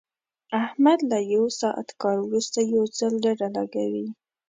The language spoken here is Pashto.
احمد له یو ساعت کار ورسته یو ځل ډډه لګوي.